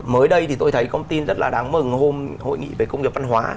mới đây thì tôi thấy công ty rất là đáng mừng hôm hội nghị về công nghiệp văn hóa